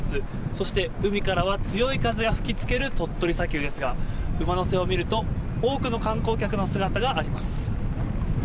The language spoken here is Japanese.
そして海からは強い風が吹きつける鳥取砂丘ですが、うまのせを見ると、多くの観光客の姿があります。